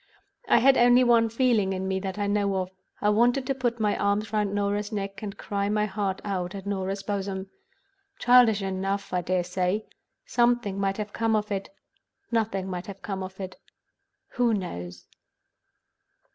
I had only one feeling in me that I know of. I wanted to put my arms round Norah's neck, and cry my heart out on Norah's bosom. Childish enough, I dare say. Something might have come of it; nothing might have come of it—who knows?